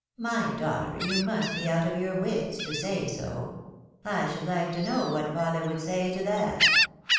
Mj daughter, you must be out of your wits to say so. I should hke to know what father would say to that?